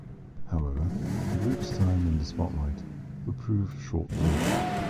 However, the group's time in the spotlight would prove short lived.